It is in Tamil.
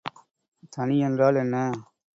தனி என்றால் என்ன?